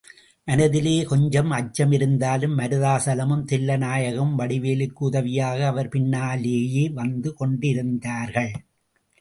மனத்திலே கொஞ்சம் அச்சம் இருந்தாலும் மருதாசலமும் தில்லைநாயகமும் வடிவேலுக்கு உதவியாக அவர் பின்னாளேயே வந்து கொண்டிருந்தார்கள்.